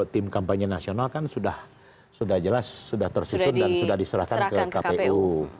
tim kampanye nasional kan sudah jelas sudah tersusun dan sudah diserahkan ke kpu